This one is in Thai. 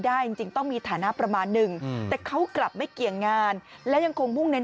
จริงต้องมีฐานะประมาณหนึ่งแต่เขากลับไม่เกี่ยงงานและยังคงมุ่งเน้น